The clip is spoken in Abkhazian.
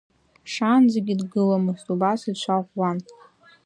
Шаанӡагьы дгыломызт, убас ицәа ӷәӷәан.